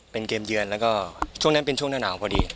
เป็นเกมเยือนช่วงนั้นเป็นช่วงหนาวพอดี